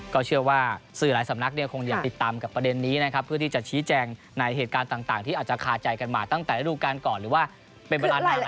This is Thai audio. ก็เชื่อว่าสื่อหลายสำนักเนี่ยคงอยากติดตามกับประเด็นนี้นะครับเพื่อที่จะชี้แจงในเหตุการณ์ต่างที่อาจจะคาใจกันมาตั้งแต่ระดูการก่อนหรือว่าเป็นเวลานาน